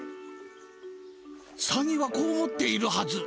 サギはこう思っているはず。